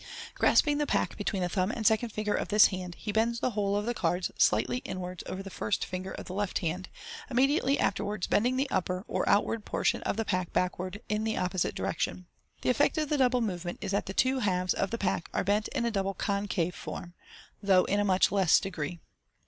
Grasping the pack between the thumb and second finger of this hand, he bends the whole of the cards slightly inwards over the first finger of the left hand, immediately afterwards bending the upper or outward portion of the pack back wards in the opposite direction. The effect of the double move ment is that the two halves of the pack are bent in a double concave form, thus ^, though in a much less degree.